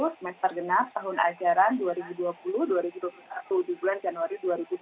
semester genap tahun ajaran dua ribu dua puluh dua ribu dua puluh satu di bulan januari dua ribu dua puluh